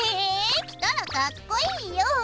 え着たらかっこいいよ！